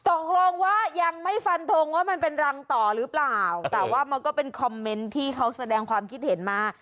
ตกลงว่ายังไม่ฟันทงว่ามันเป็นรังต่อหรือเปล่าแต่ว่ามันก็เป็นคอมเมนต์ที่เขาแสดงความคิดเห็นมา